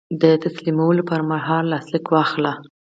د تسلیمولو پر مهال لاسلیک واخلئ.